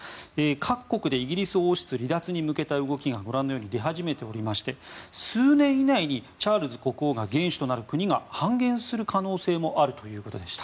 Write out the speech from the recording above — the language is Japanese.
各国でイギリス王室離脱に向けた動きがご覧のように出始めておりまして数年以内にチャールズ国王が元首となる国が半減する可能性もあるということでした。